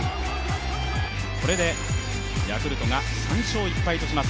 これでヤクルトが３勝１敗とします。